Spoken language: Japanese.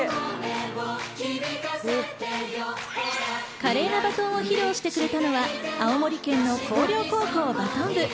華麗なバトンを披露してくれたのは青森県の向陵高校バトン部。